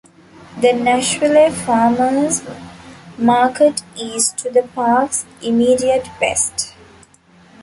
The Nashville Farmers' Market is to the park's immediate west.